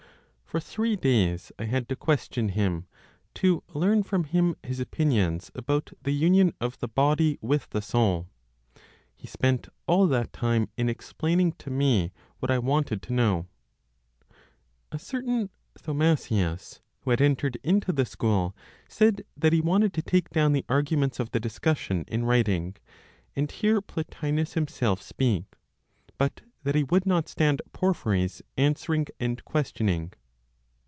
For three days I had to question him, to learn from him his opinions about the union of the body with the soul; he spent all that time in explaining to me what I wanted to know. A certain Thaumasius, who had entered into the school, said that he wanted to take down the arguments of the discussion in writing, and hear Plotinos himself speak; but that he would not stand Porphyry's answering and questioning.